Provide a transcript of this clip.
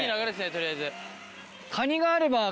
取りあえず。